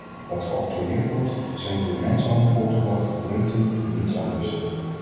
Wat geoctrooieerd wordt, zijn door mensenhand voortgebrachte producten en niets anders!